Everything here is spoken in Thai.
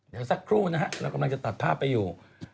เดี๋ยวสักครู่นะฮะเรากำลังจะตัดภาพไปอยู่